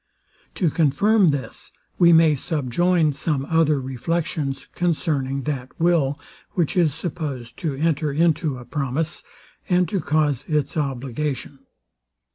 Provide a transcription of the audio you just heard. To confirm this, we may subjoin some other reflections concerning that will, which is supposed to enter into a promise, and to cause its obligation.